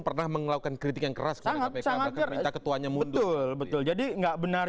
pernah mengelakukan kritik yang keras sangat sangat minta ketuanya mundur betul betul jadi enggak benar